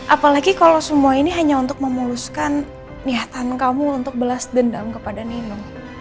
apalagi kalau semua ini hanya untuk memuluskan niatan kamu untuk balas dendam kepada nino